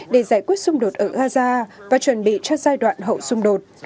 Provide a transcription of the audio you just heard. để giải quyết xung đột ở gaza và chuẩn bị cho giai đoạn hậu xung đột